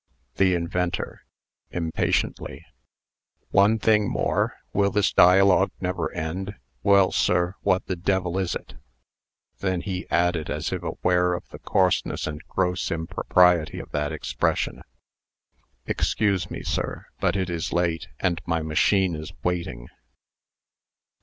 THE INVENTOR (impatiently). "One thing more! will this dialogue never end? Well, sir. What the devil is it?" Then he added, as if aware of the coarseness and gross impropriety of that expression. "Excuse me, sir, but it is late, and my machine is waiting."